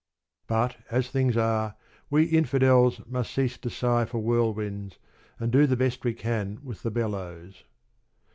But as things are, we "Infidels" must cease to sigh for whirlwinds, and do the best we can with the bellows.